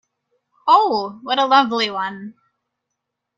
Oh, what a lovely one!